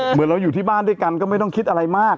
เหมือนเราอยู่ที่บ้านด้วยกันก็ไม่ต้องคิดอะไรมาก